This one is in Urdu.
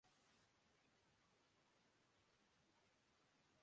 انہوں نے کہا: میں کیا کہہ سکتا ہوں۔